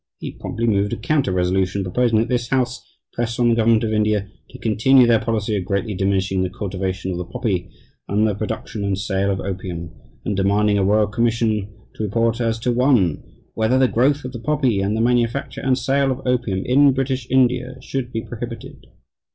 He promptly moved a counter resolution, proposing that "this House press on the Government of India to continue their policy of greatly diminishing the cultivation of the poppy and the production and sale of opium, and demanding a Royal Commission to report as to (1) Whether the growth of the poppy and the manufacture and sale of opium in British India should be prohibited....